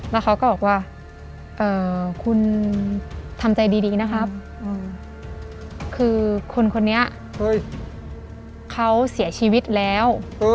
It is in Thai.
แล้วเขาก็บอกว่าคุณทำใจดีนะครับคือคนคนนี้เขาเสียชีวิตแล้ว